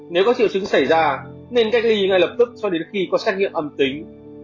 nếu có triệu chứng xảy ra nên cách ly ngay lập tức cho đến khi có xét nghiệm âm tính